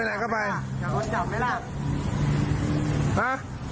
มีปัญหาอะไรป่ะ